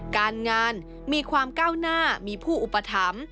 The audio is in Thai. การงานมีความก้าวหน้ามีผู้อุปถัมภ์